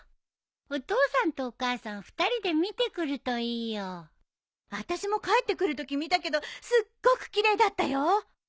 お父さんとお母さん２人で見てくるといいよ。あたしも帰ってくるとき見たけどすっごく奇麗だったよ。